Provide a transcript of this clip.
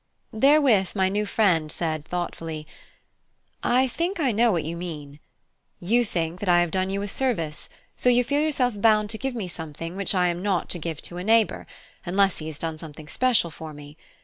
Therewith my new friend said thoughtfully: "I think I know what you mean. You think that I have done you a service; so you feel yourself bound to give me something which I am not to give to a neighbour, unless he has done something special for me.